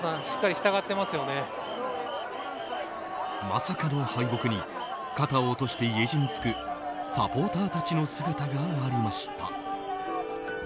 まさかの敗北に肩を落として家路に就くサポーターたちの姿がありました。